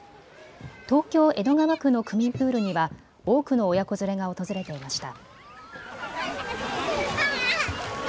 東京江戸川区の区民プールには多くの親子連れが訪れていました。